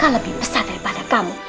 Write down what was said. lebih besar daripada kamu